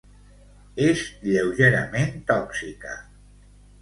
És lleugerament tòxica.